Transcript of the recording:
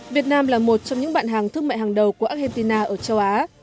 việt nam là một trong những bạn hàng thương mại hàng đầu của argentina ở châu á